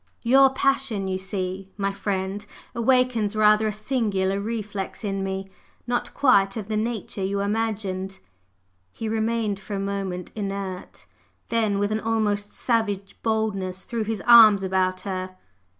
"Your 'passion,' you see, my friend, awakens rather a singular 'reflex' in me! not quite of the nature you imagined!" He remained for a moment inert; then, with an almost savage boldness, threw his arm about her.